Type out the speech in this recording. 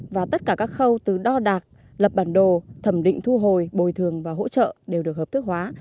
và tất cả các khâu từ đo đạc lập bản đồ thẩm định thu hồi bồi thường và hỗ trợ đều được hợp thức hóa